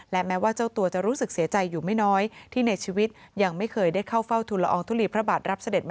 และแม้ว่าเจ้าตัวจะรู้สึกเสียใจอยู่ไม่น้อยที่ในชีวิตยังไม่เคยได้เข้าเฝ้าทุลอองทุลีพระบาทรับเสด็จ